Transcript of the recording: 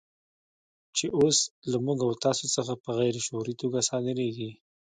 چې اوس له موږ او تاسو څخه په غیر شعوري توګه صادرېږي.